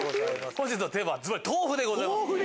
本日のテーマは豆腐でございます。